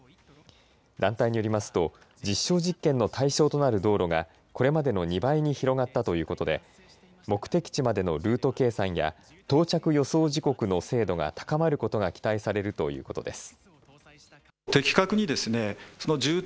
団体によりますと実証実験の対象となる道路がこれまでの２倍に広がったということで目的地までのルート計算や到着予想時刻の精度が高まることが期待されるということです。